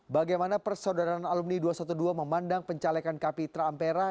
bagaimana persaudaraan alumni dua ratus dua belas memandang pencalekan kapitra ampera